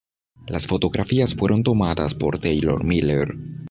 Las fotografías fueron tomadas por Taylor Miller.